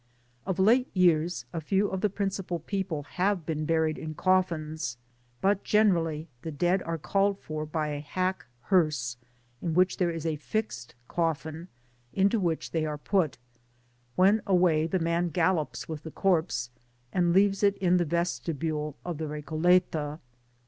Of late years, a few of the principal people have been buried in coffins, but generally the dead are called for by a hack hearse, in which there is a fixed cc^n, into which they are put, when away the man gallops with the corpse, and leaves it in Uia vestibule of the Recoleta.